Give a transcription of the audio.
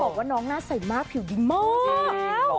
บอกว่าน้องหน้าใสมากผิวดินมาก